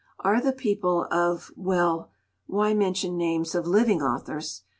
Are the people of—well, why mention names of living authors?